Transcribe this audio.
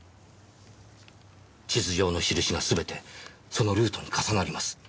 地図上の印が全てそのルートに重なります。